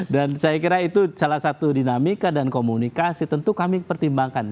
dan saya kira itu salah satu dinamika dan komunikasi tentu kami pertimbangkan